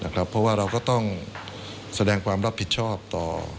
เพราะว่าเราก็ต้องแสดงความรับผิดชอบต่อ